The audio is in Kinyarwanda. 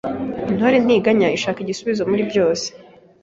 Intore ntiganya ishaka ibisubizo muri byose